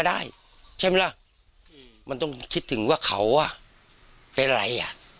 ถ้าลุงพ่อเศือมเสียไป